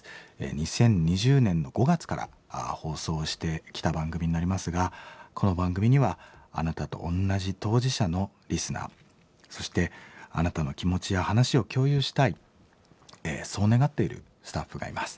２０２０年の５月から放送してきた番組になりますがこの番組にはあなたと同じ当事者のリスナーそしてあなたの気持ちや話を共有したいそう願っているスタッフがいます。